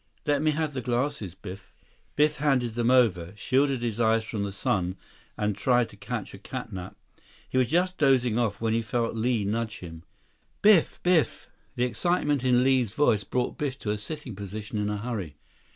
"Let me have the glasses. Biff." Biff handed them over, shielded his eyes from the sun, and tried to catch a catnap. He was just dozing off when he felt Li nudge him. 133 "Biff! Biff!" The excitement in Li's voice brought Biff to a sitting position in a hurry.